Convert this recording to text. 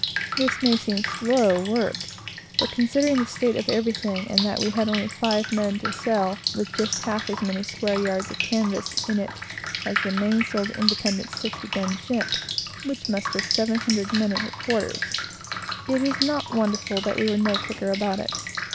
This may seem slow work, but considering the state of everything, and that we had only five men to a sail with just half as many square yards of canvas in it as the mainsail of the Independence, sixty gun ship, which musters seven hundred men at her quarters, it is not wonderful that we were no quicker about it.